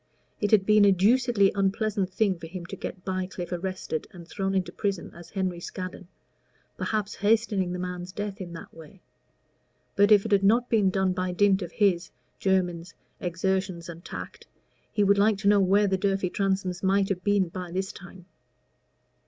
It had been a deucedly unpleasant thing for him to get Bycliffe arrested and thrown into prison as Henry Scaddon perhaps hastening the man's death in that way. But if it had not been done by dint of his (Jermyn's) exertions and tact, he would like to know where the Durfey Transomes might have been by this time.